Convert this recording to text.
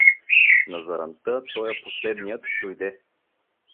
На заранта тоя последният дойде.